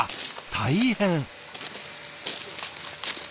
大変！